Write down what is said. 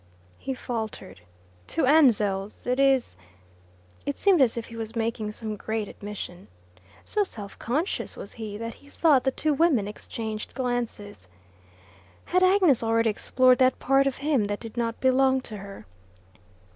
He faltered. "To Ansell's, it is " It seemed as if he was making some great admission. So self conscious was he, that he thought the two women exchanged glances. Had Agnes already explored that part of him that did not belong to her?